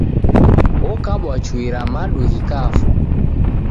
Okabwa chui ra madu ghikafwa